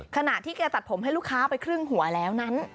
ขณะที่แกตัดผมให้ลูกค้าไปครึ่งหัวแล้วนั้น